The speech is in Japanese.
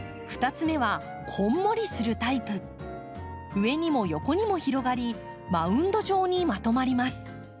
上にも横にも広がりマウンド状にまとまります。